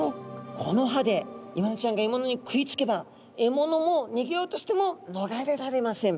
この歯でイワナちゃんがえものに食いつけばえものもにげようとしてものがれられません。